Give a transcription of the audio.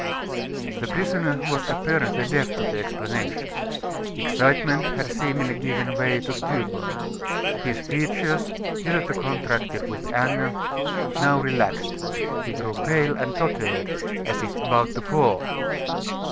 The prisoner was apparently deaf to the explanation. Excitement had seemingly given way to stupor. His features, hitherto contracted with anger, now relaxed. He grew pale and tottered, as if about to fall.